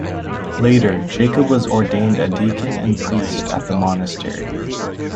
Later, Jacob was ordained a deacon and priest at the monastery.